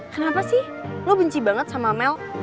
kenapa sih lo benci banget sama amel